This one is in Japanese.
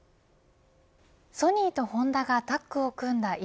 ソニーとホンダがタッグを組んだＥＶ